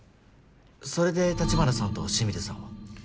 それで立花さんと清水さんを？